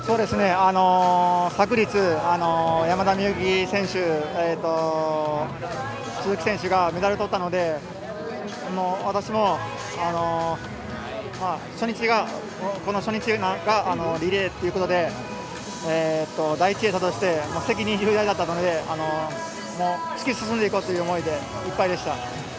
昨日、山田美幸選手鈴木選手がメダルとったので私もこの初日がリレーということで第１泳者として責任重大だったため突き進んでいこうという思いでいっぱいでした。